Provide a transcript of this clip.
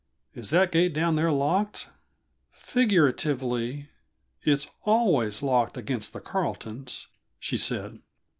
Is that gate down there locked?" "Figuratively, it's always locked against the Carletons," she said.